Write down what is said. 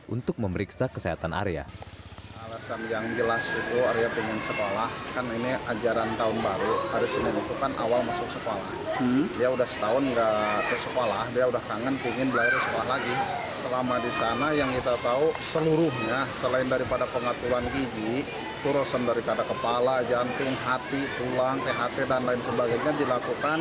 untuk memeriksa kesehatan arya